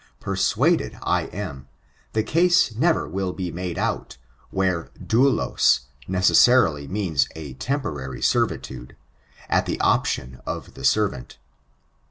Persuaded I am, the case never will be made out, where dauloSf necessarily means a temporary servitude, at the option of the servant.